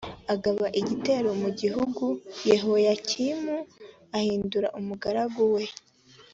agaba igitero mu gihugu yehoyakimu ahinduka umugaragu we